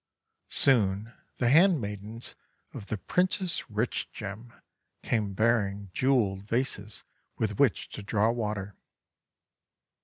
Soon the handmaidens of the Princess Rich Gem came bearing jewelled vases with which to draw water.